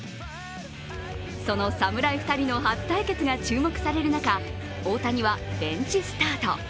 その侍２人の初対決が注目される中、大谷はベンチスタート。